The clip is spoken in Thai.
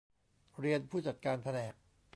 เรียนผู้จัดการแผนก